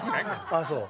ああそう。